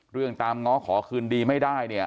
เรื่องตามง้อขอคืนดีไม่ได้เนี่ย